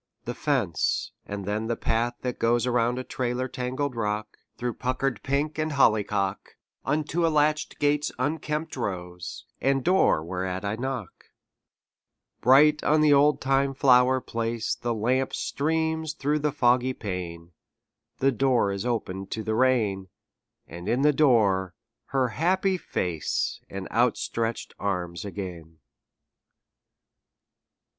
The fence; and then the path that goes Around a trailer tangled rock, Through puckered pink and hollyhock, Unto a latch gate's unkempt rose, And door whereat I knock. Bright on the oldtime flower place The lamp streams through the foggy pane; The door is opened to the rain: And in the door her happy face And outstretched arms again.